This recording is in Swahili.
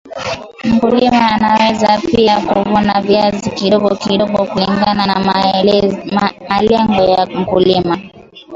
mkulima anaweza pia kuvuna viazi kidogo kidogo kulingana na malengo ya mkulima